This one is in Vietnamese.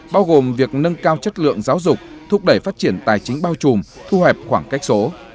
bao gồm việc nâng cao chất lượng giáo dục thúc đẩy phát triển tài chính bao trùm thu hẹp khoảng cách số